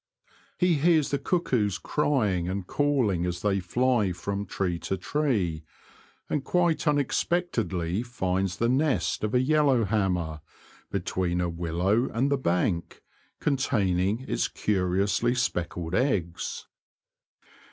He hears the cuckoos crying and calling as they fly from tree to tree, and quite unexpectedly finds the nest of a yellow hammer, between a willow and the bank, containing its curiouly speckled eggs.